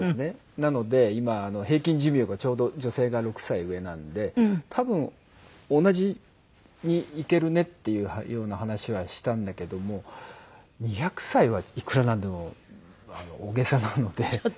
なので今平均寿命がちょうど女性が６歳上なので多分同じに逝けるねっていうような話はしたんだけども２００歳はいくらなんでも大げさなので。